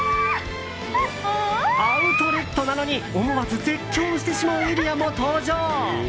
アウトレットなのに、思わず絶叫してしまうエリアも登場。